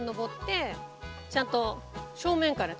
ちゃんと。